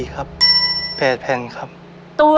มั่นใจไหมครับออก